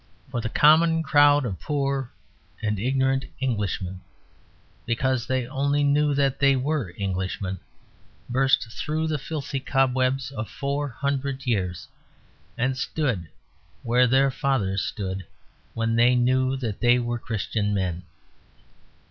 For the common crowd of poor and ignorant Englishmen, because they only knew that they were Englishmen, burst through the filthy cobwebs of four hundred years and stood where their fathers stood when they knew that they were Christian men.